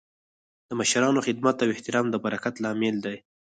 د مشرانو خدمت او احترام د برکت لامل دی.